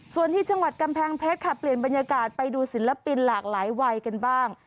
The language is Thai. ส่วนที่จังหวัดกำแพงเพชรค่ะเปลี่ยนบรรยากาศไปดูศิลปินหลากหลายวัยกันบ้าง